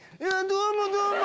「どうもどうも」！